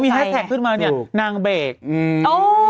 พี่จะมีแฮสแทคขึ้นมาเนี่ยนางเบโกรธ